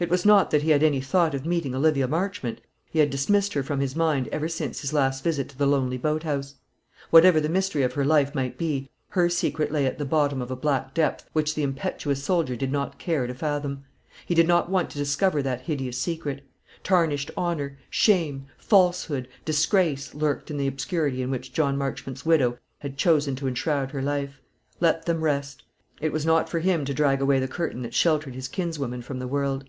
It was not that he had any thought of meeting Olivia Marchmont; he had dismissed her from his mind ever since his last visit to the lonely boat house. Whatever the mystery of her life might be, her secret lay at the bottom of a black depth which the impetuous soldier did not care to fathom. He did not want to discover that hideous secret. Tarnished honour, shame, falsehood, disgrace, lurked in the obscurity in which John Marchmont's widow had chosen to enshroud her life. Let them rest. It was not for him to drag away the curtain that sheltered his kinswoman from the world.